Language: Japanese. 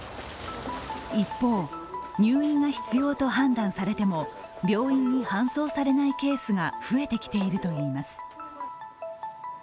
一方、入院が必要と判断されても病院に搬送されないケースが増えてきているといいます。